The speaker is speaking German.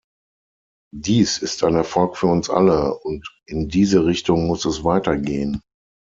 Dies ist ein Erfolg für uns alle, und in diese Richtung muss es weitergehen.